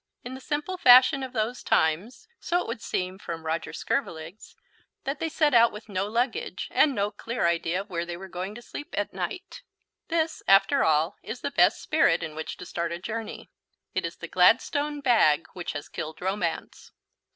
In the simple fashion of those times (so it would seem from Roger Scurvilegs) they set out with no luggage and no clear idea of where they were going to sleep at night. This, after all, is the best spirit in which to start a journey. It is the Gladstone bag which has killed romance.